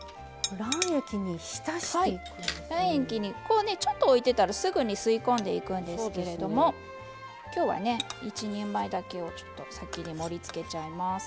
卵液にちょっと置いてたらすぐに吸い込んでいくんですけれども今日は１人前だけをちょっと先に盛りつけちゃいます。